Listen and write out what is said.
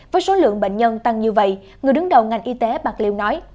với số lượng bệnh nhân tăng như vậy người đứng đầu ngành y tế bạc liêu nói